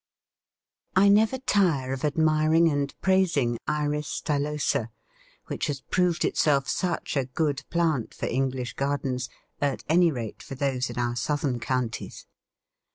I never tire of admiring and praising Iris stylosa, which has proved itself such a good plant for English gardens; at any rate, for those in our southern counties.